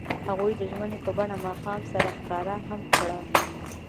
هغوی د ژمنې په بڼه ماښام سره ښکاره هم کړه.